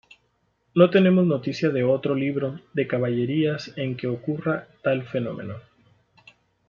No tenemos noticia de otro libro de caballerías en que ocurra tal fenómeno.